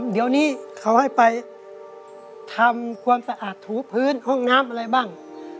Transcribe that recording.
เดี๋ยวนี้เขาให้ไปทำความสะอาดถูพื้นห้องน้ำอะไรบ้าง